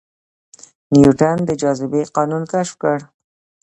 نیوټن د جاذبې قانون کشف کړ